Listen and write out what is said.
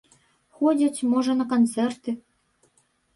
Ходзяць, можа, на канцэрты?